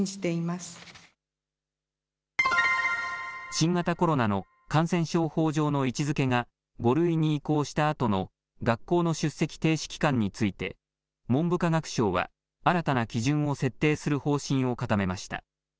新型コロナの感染症法上の位置づけが５類に移行したあとの学校の出席停止期間について文部科学省は新たな基準を設定する方針を固めました。